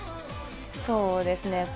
そうですね。